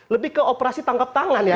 lebih ke operasi tangkap tangan ya